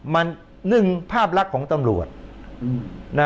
มันนึ่งภาพลักษณ์ของตำรวจ